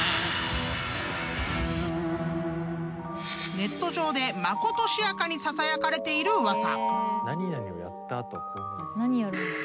［ネット上でまことしやかにささやかれている噂］